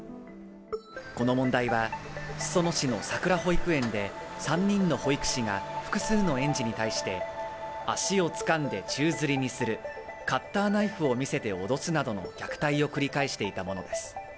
この問題は裾野市のさくら保育園で３人の保育士が複数の園児に対して足をつかんで宙づりにする、カッターナイフを見せて脅すなどの虐待を繰り返していた問題です。